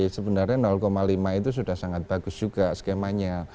sebenarnya lima itu sudah sangat bagus juga skemanya